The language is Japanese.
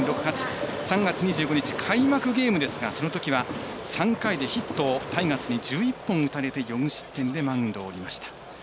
３月２５日、開幕ゲームですがそのときは３回でヒットをタイガースに１１本打たれて４失点でマウンドを降りました。